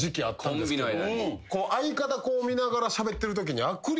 相方こう見ながらしゃべってるときに。